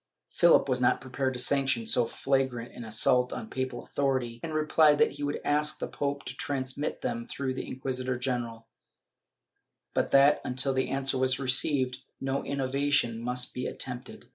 Philip was not prepared to sanction so flagrant an assault on papal authority, and replied that he would ask the pope to transmit them through the inqui sitor general, but that, until the answer was received, no inno vation must be attempted.